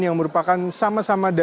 yang merupakan sama sama